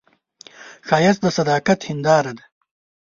ښایست د صداقت هنداره ده